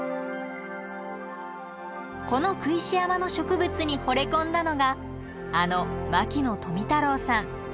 この工石山の植物にほれ込んだのがあの牧野富太郎さん。